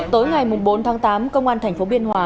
tối ngày bốn tháng tám công an tp biên hòa